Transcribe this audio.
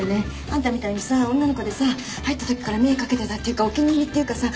あんたみたいにさ女の子でさ入ったときから目かけてたっていうかお気に入りっていうかさ。